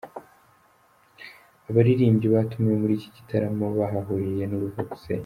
Abaririmbyi batumiwe muri iki gitaramo bahahuriye n'uruva gusenya.